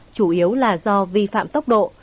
chủ yếu là do vi phạm tốc độ